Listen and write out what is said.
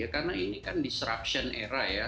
karena ini kan disruption era ya